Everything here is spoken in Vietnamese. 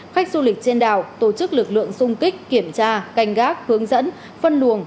khách du lịch trên đảo tổ chức lực lượng xung kích kiểm tra canh gác hướng dẫn phân luồng